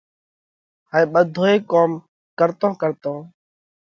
هائي ٻڌوئي ڪوم ڪرتون ڪرتون